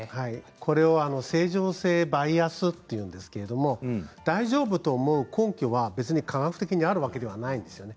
これを正常性バイアスというんですけれど大丈夫と思う根拠は別に科学的にあるわけではないんですね。